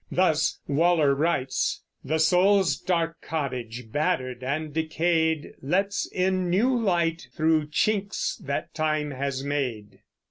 Thus Waller writes: The soul's dark cottage, battered and decayed, Lets in new light through chinks that time has made.